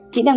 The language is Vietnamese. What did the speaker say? kỹ năng ba